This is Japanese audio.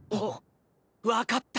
わかった。